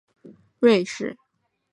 奥乃格总是留恋于父母的原乡瑞士。